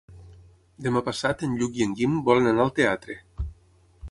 Demà passat en Lluc i en Guim volen anar al teatre.